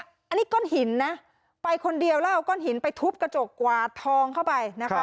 อันนี้ก้อนหินนะไปคนเดียวแล้วเอาก้อนหินไปทุบกระจกกวาดทองเข้าไปนะคะ